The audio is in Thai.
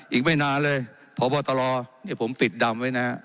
อีกไม่นานเลยพอบอตรอเนี่ยผมปิดดำไว้น่ะ